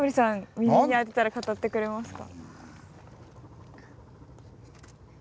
耳に当てたら語ってくれますか？